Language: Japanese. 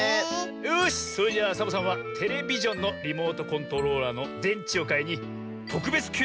よしそれじゃあサボさんはテレビジョンのリモートコントローラーのでんちをかいにとくべつきゅう